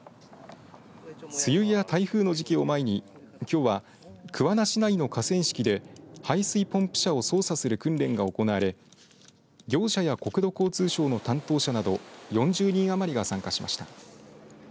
梅雨や台風の時期を前にきょうは桑名市内の河川敷で排水ポンプ車を操作する訓練が行われ業者や国土交通省の担当者など４０人余りが参加しました。